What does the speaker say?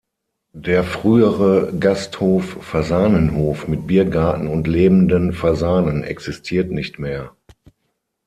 Der frühere Gasthof „Fasanenhof“ mit Biergarten und lebenden Fasanen existiert nicht mehr.